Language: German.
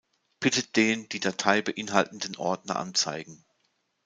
Bitte den die Datei beinhaltenden Ordner anzeigen.